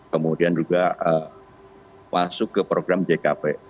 kemudian juga masuk ke program jkp